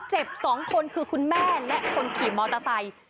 ๒คนคือคุณแม่และคนขี่มอเตอร์ไซค์